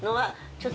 ちょっと。